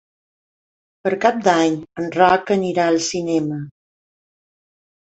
Per Cap d'Any en Roc anirà al cinema.